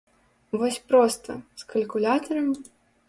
Вось проста, з калькулятарам?